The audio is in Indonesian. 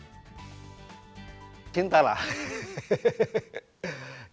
ketika berada di rumah iin dan rumah inklusif berkata